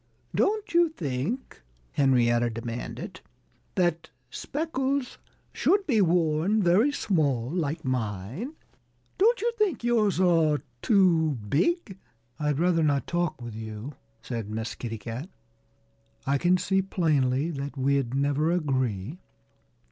"Don't you think," Henrietta demanded, "that speckles should be worn very small, like mine? Don't you think yours are too big?" "I'd rather not talk with you," said Miss Kitty Cat. "I can see plainly that we'd never agree."